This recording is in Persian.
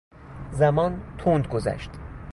زمان تند گذشت.